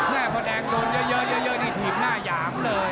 แม่พ่อแดงโดนเยอะทีบหน้าหยามเลย